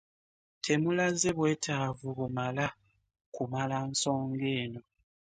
Temulaze bwetaavu bumala kumala nsonga eno.